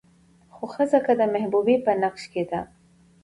خو ښځه که د محبوبې په نقش کې ده